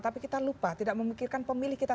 tapi kita lupa tidak memikirkan pemilih kita